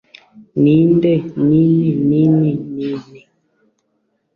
Ninde Nini Nini Nini